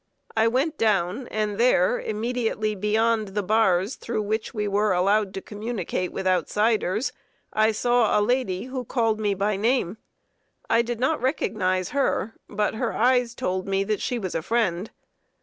I went down, and there, immediately beyond the bars through which we were allowed to communicate with outsiders, I saw a lady who called me by name. I did not recognize her, but her eyes told me that she was a friend.